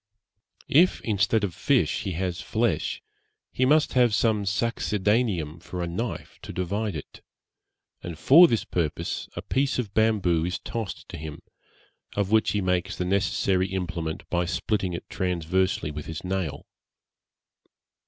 If, instead of fish, he has flesh, he must have some succedaneum for a knife to divide it; and for this purpose a piece of bamboo is tossed to him, of which he makes the necessary implement by splitting it transversely with his nail.